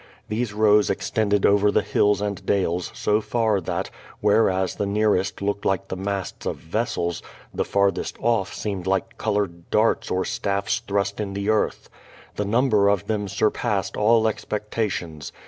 These rows ex tended over the hills and dales so far that, whereas the nearest looked like the masts of vessels, the farthest oif seemed like colored darts or staffs thrust in the earth. The number of them surpassed all expectations.